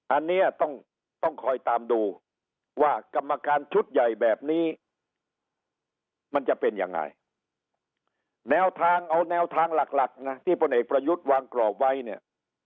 อันนี้ต้องต้องคอยตามดูว่ากรรมการชุดใหญ่แบบนี้มันจะเป็นยังไงแนวทางเอาแนวทางหลักหลักนะที่พลเอกประยุทธ์วางกรอบไว้เนี่ย